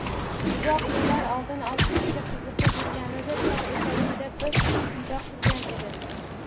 Uzoq yillar oldin ovchilikka qiziqib yurganida togʻ etagiga bir kulba qurgan edi